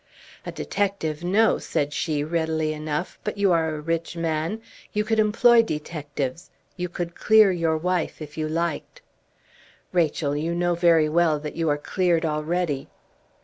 "A detective, no!" said she, readily enough. "But you are a rich man; you could employ detectives; you could clear your wife, if you liked." "Rachel, you know very well that you are cleared already."